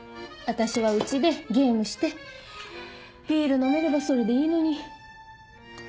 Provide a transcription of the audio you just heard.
私は家でゲームしてビール飲めればそれでいいのに。